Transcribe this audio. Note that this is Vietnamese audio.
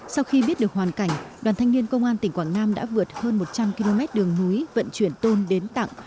sau khi biết được hoàn cảnh đoàn thanh niên công an tỉnh quảng nam đã vượt hơn một trăm linh km đường núi vận chuyển tôn đến tặng